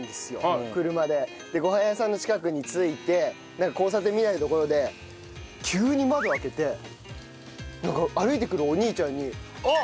でご飯屋さんの近くに着いてなんか交差点みたいな所で急に窓開けてなんか歩いてくるお兄ちゃんにおう！